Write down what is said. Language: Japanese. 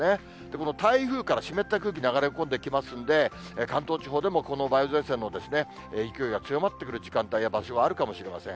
この台風から湿った空気流れ込んできますんで、関東地方でもこの梅雨前線の勢いが強まってくる時間帯や場所があるかもしれません。